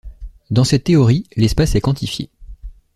Dans cette théorie l'espace est quantifié.